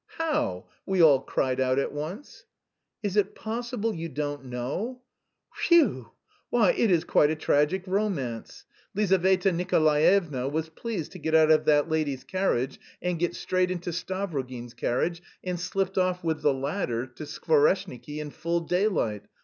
How?" we all cried out at once. "Is it possible you don't know? Phew! Why, it is quite a tragic romance: Lizaveta Nikolaevna was pleased to get out of that lady's carriage and get straight into Stavrogin's carriage, and slipped off with 'the latter' to Skvoreshniki in full daylight.